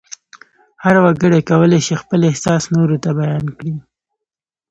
هر وګړی کولای شي خپل احساس نورو ته بیان کړي.